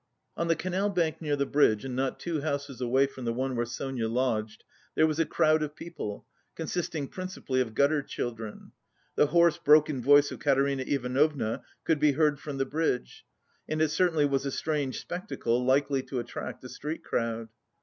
On the canal bank near the bridge and not two houses away from the one where Sonia lodged, there was a crowd of people, consisting principally of gutter children. The hoarse broken voice of Katerina Ivanovna could be heard from the bridge, and it certainly was a strange spectacle likely to attract a street crowd.